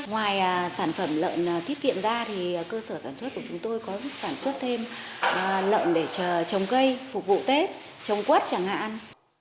ngoài sản phẩm lợn thiết kiệm ra thì cơ sở sản xuất của chúng tôi có sản xuất thêm lợn để trồng cây phục vụ tết trồng quất chẳng hạn